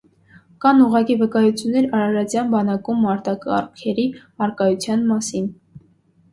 Կան ուղղակի վկայություններ արարատյան բանակում մարտակառքերի առկայության մասին։